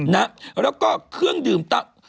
แล้วก็เครื่องดื่ม